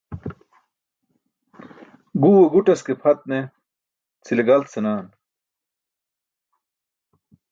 Guwe guṭas ke pʰat ne cʰile galt senaan.